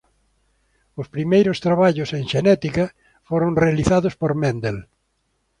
Os primeiros traballos en xenética foron realizados por Mendel.